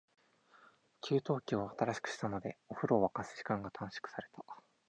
給湯器を新しくしたので、お風呂を沸かす時間が短縮された。